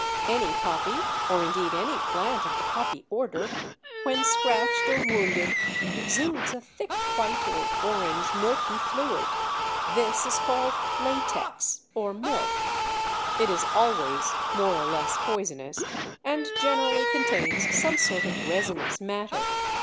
Any poppy (or indeed any plant of the Poppy order) when scratched or wounded exudes a thick white or orange milky fluid. This is called "latex" (or milk); it is always more or less poisonous, and generally contains some sort of resinous matter.